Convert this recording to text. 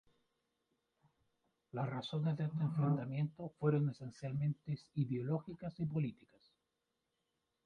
Las razones de este enfrentamiento fueron esencialmente ideológicas y políticas.